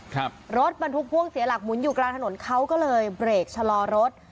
ครับรถบรรทุกพ่วงเสียหลักหมุนอยู่กลางถนนเขาก็เลยเบรกชะลอรถ